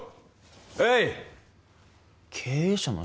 はい経営者の